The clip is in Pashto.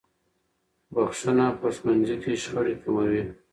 بخښنه په ښوونځي کې شخړې کموي.